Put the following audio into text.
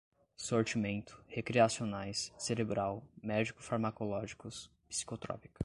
sortimento, recreacionais, cerebral, médico-farmacológicos, psicotrópica